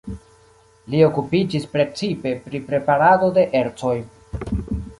Li okupiĝis precipe pri preparado de ercoj.